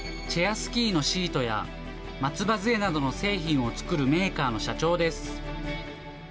スキーのシートや、松葉づえなどの製品を作るメーカーの社長です。